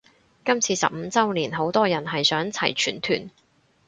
今次十五周年好多人係想齊全團